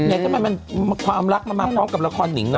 อือไงก็มันมันความรักมามากพร้อมกับละครนิ่งเนอะ